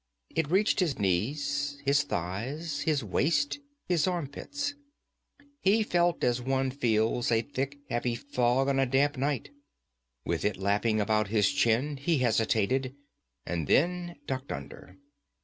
It reached his knees, his thighs, his waist, his arm pits. He felt as one feels a thick heavy fog on a damp night. With it lapping about his chin he hesitated, and then ducked under.